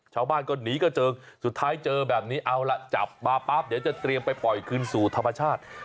ชาวบ้านก็หนีกระเจิงสุดท้ายเจอแบบนี้เอาล่ะจับมาปั๊บเดี๋ยวจะเตรียมไปปล่อยคืนสู่ธรรมชาติ